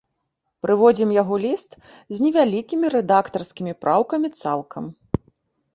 Прыводзім яго ліст з невялікімі рэдактарскімі праўкамі цалкам.